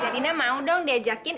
zarina mau dong diajakin